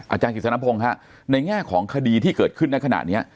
อาจารย์กิจสนับพงษ์ค่ะในแง่ของคดีที่เกิดขึ้นในขณะนี้